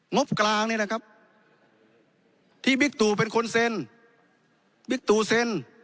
งบกลางนี่แหละครับที่บิ๊กตูเป็นคนเซ็นบิ๊กตูเซ็น